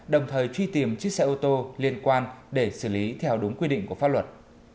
đồng thời truy tìm chiếc xe ô tô liên quan để xử lý theo đúng quy định của pháp luật